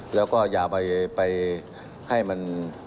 แล้วก็อย่าไปให้มัน